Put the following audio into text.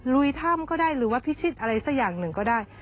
ลุยถ้ำก็ได้หรือว่าพิชิตอะไรสักอย่างหนึ่งก็ได้